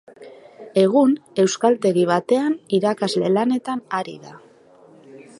Egun euskaltegi batean irakasle lanetan ari da.